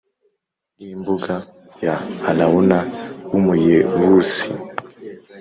bw imbuga ya Arawuna w Umuyebusi